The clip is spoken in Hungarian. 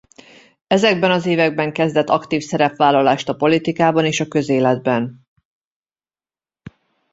Ezekben az években kezdett aktív szerepvállalást a politikában és a közéletben.